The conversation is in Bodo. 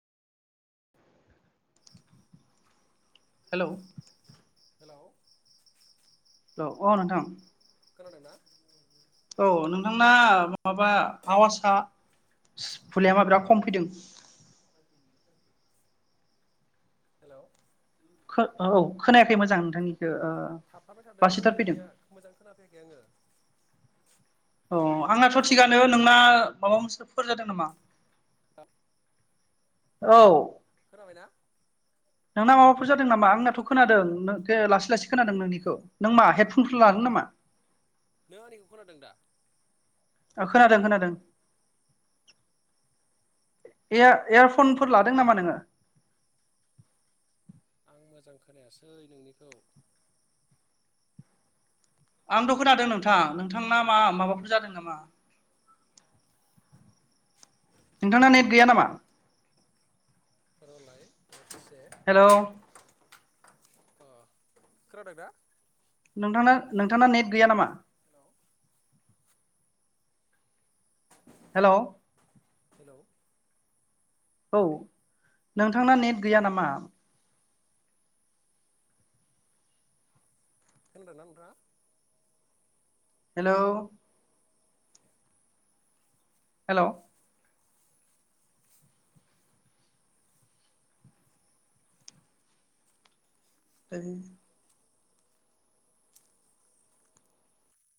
हेलौ हेलौ लौ अ नोंथां खोनादोंना औ नोंथांना माबा आवासआ भुलियामा बिराद खम फैदों हेलौ खो औ खोनायाखै मोजां नोंथांनि थाबथाबाय थादोंलै नोंनिया मोजां खोनाफैयाखै आङो अ आंनाथ थिगानो नोंना माबा मोनसे फोर जादों नामा। औ खोनाबायना? ना माबाफोर जादों नामा आंनाथ खोनादों लासै लासै खोनादों नोंनिखो नों मा हेडफुनफोर लादों नामा। नों आंनिखौ खोनादों दा? ओ खोनादों खोनादों एयाएयारफनफोर लादों नामा नोङो? आं मोजां खोनायासै नोंनिखौ आंथ' खोनादों नोंथां नोंथांना मा माबाफोर जादों नामा। नोंथांना नेट गैया नामा? रलाय सेक हेलौ अ खोनादों ना? नोंथांना नोंथांना नेट गैया नामा? हेलौ हेलौ हेलौ औ नोंथांना नेट गैया नामा? खोनादों ना नोंथाङा? हेलौ हेलौ ओइ